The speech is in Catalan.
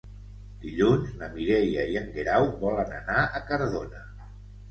Dilluns na Mireia i en Guerau volen anar a Cardona.